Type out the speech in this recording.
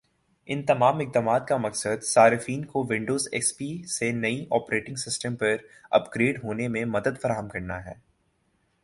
ان تمام اقدامات کا مقصد صارفین کو ونڈوز ایکس پی سے نئے آپریٹنگ سسٹم پر اپ گریڈ ہونے میں مدد فراہم کرنا ہے